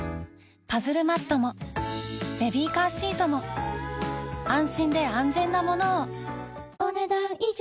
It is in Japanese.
パズルマットもベビーカーシートも安心で安全なものをお、ねだん以上。